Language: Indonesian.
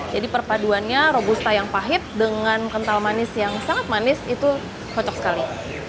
jadi perpaduannya robusta yang pahit dengan kental manis yang sangat manis itu kocok sekali